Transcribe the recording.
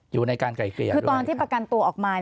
อยู่ในการไกลเกลี่ยคือตอนที่ประกันตัวออกมา